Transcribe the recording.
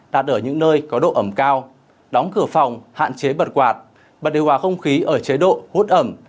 đặt ở những nơi có độ ẩm cao đóng cửa phòng hạn chế bật quạt bật điều hòa không khí ở chế độ hút ẩm